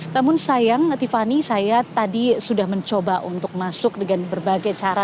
namun sayang tiffany saya tadi sudah mencoba untuk masuk dengan berbagai cara